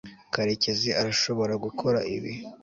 karekezi arashobora gukora ibi